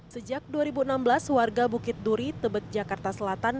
sejak dua ribu enam belas warga bukit duri tebet jakarta selatan